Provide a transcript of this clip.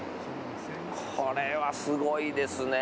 これはすごいですね！